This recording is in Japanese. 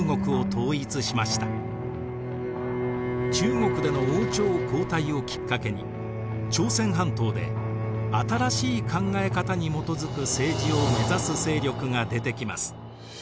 中国での王朝交代をきっかけに朝鮮半島で新しい考え方に基づく政治を目指す勢力が出てきます。